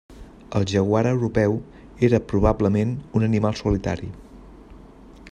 El jaguar europeu era probablement un animal solitari.